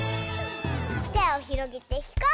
てをひろげてひこうき！